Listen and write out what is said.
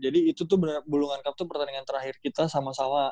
jadi itu tuh bulungan cup tuh pertandingan terakhir kita sama sama